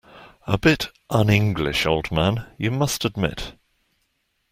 A bit un-English, old man, you must admit.